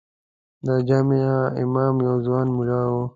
د جامع امام یو ځوان ملا و.